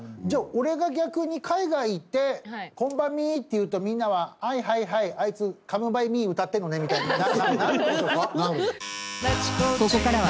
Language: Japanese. じゃあ俺が逆に海外行って「こんばんみ」って言うとみんなは「はいはいはいあいつ『カム・バイ・ミー』歌ってんのね」みたいになるって事ですか？